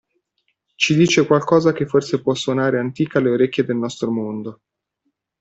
Ci dice qualcosa che forse può suonare antica alle orecchie del nostro mondo.